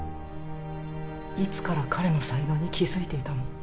いつから彼の才能に気づいていたの？